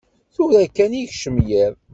Tura kan i yekcem yiḍ.